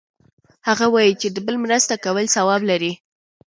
هغه وایي چې د بل مرسته کول ثواب لری